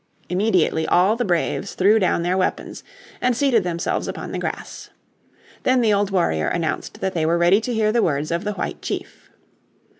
Immediately all the braves threw down their weapons, and seated themselves upon the grass. Then the old warrior announced that they were ready to hear the words of the White Chief.